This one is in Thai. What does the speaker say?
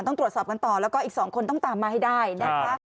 ต้องตรวจสอบกันต่อแล้วก็อีก๒คนต้องตามมาให้ได้นะคะ